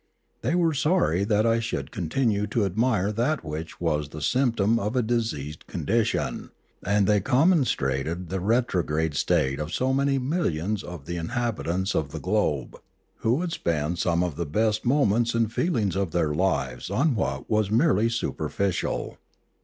They were sorry that I should continue to admire that which was the symptom of a diseased condition, and they commiserated the retro grade state of so many millions of the inhabitants of the globe, who could spend some of the best moments and feelings of their lives on what was merely super ficial.